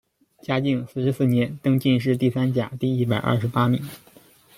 嘉靖四十四年，登进士第三甲第一百二十八名。